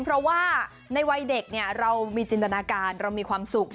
เพราะว่าในวัยเด็กเรามีจินตนาการเรามีความสุข